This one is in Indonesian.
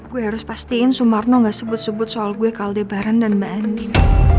gue harus pastiin sumarno gak sebut sebut soal gue kak aldebaran dan mbak andin